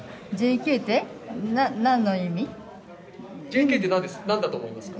「ＪＫ」ってなんだと思いますか？